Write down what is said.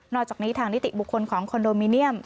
อกจากนี้ทางนิติบุคคลของคอนโดมิเนียม